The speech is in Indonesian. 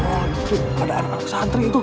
oh itu ada anak santri itu